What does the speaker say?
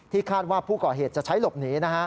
คาดว่าผู้ก่อเหตุจะใช้หลบหนี